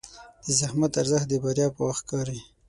د زحمت ارزښت د بریا په وخت ښکاري.